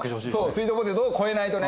スイートポテトを超えないとね。